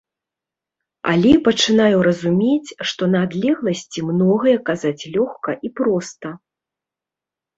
Але пачынаю разумець, што на адлегласці многае казаць лёгка і проста.